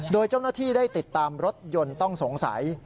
โดยเจ้าหน้าที่ได้ติดตามรถยนต์ต้องสงสัย